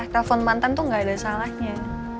telepon mantan tuh gak ada salahnya